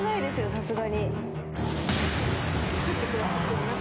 さすがに。